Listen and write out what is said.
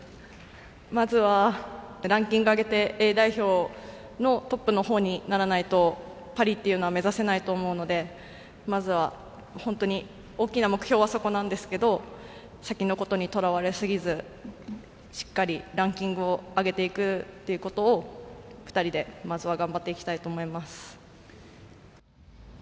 まずはランキングを上げてＡ代表のトップの方にならないとパリは目指せないと思うのでまずは本当に大きな目標はそこなんですけど先のことにとらわれすぎずしっかりランキングを上げていくということを２人でまずは頑張っていきたいと思います。